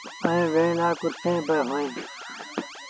ائيٚݩ ويهڻ لآ ڪرسيٚݩ با اوهيݩ۔